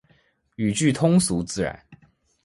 语句通俗自然